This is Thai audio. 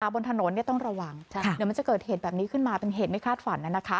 บนถนนต้องระวังเดี๋ยวมันจะเกิดเหตุแบบนี้ขึ้นมาเป็นเหตุไม่คาดฝัน